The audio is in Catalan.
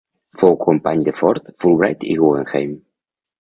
Fou company de Ford, Fulbright i Guggenheim.